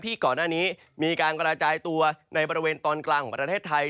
ก่อนหน้านี้มีการกระจายตัวในบริเวณตอนกลางของประเทศไทย